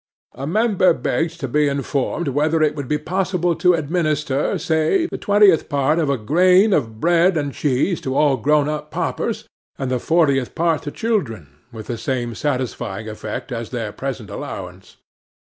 'A Member begged to be informed whether it would be possible to administer—say, the twentieth part of a grain of bread and cheese to all grown up paupers, and the fortieth part to children, with the same satisfying effect as their present allowance.